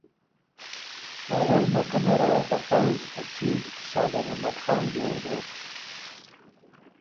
اول موقع نره وه ته پؤځ ا چیف صالح محمد خان جوړ دوک